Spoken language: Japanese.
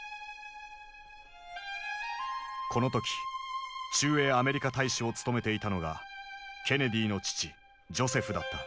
この時駐英アメリカ大使を務めていたのがケネディの父ジョセフだった。